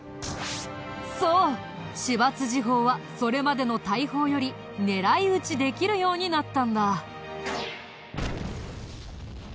そう芝砲はそれまでの大砲より狙い撃ちできるようになったんだ。